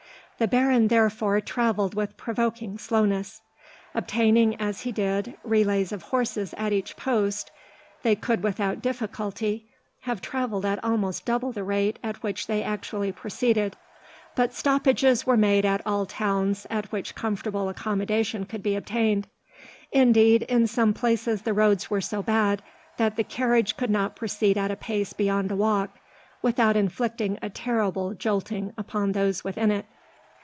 The baron therefore travelled with provoking slowness. Obtaining, as he did, relays of horses at each post, they could without difficulty have travelled at almost double the rate at which they actually proceeded, but stoppages were made at all towns at which comfortable accommodation could be obtained. Indeed, in some places the roads were so bad that the carriage could not proceed at a pace beyond a walk, without inflicting a terrible jolting upon those within it.